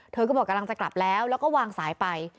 เธอก็บอกกำลังจะกลับแล้วแล้วก็วางสายไป